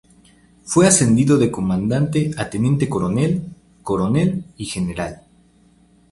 Fue ascendiendo de Comandante a Teniente Coronel, Coronel y General.